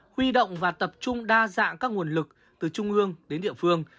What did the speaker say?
huy động và tập trung đa dạng các nguồn lực từ trung ương đến địa phương